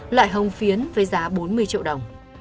loại hồng phiến với giá bốn mươi triệu đồng